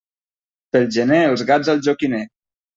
Pel gener els gats al joquiner.